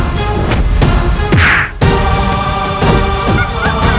jangan lari kamu